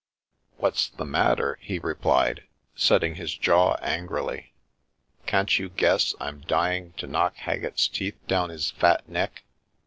"What's the matter?" he replied, setting his jaw angrily. " Can't you guess I'm dying to knock Hag gett's teeth down his fat neck?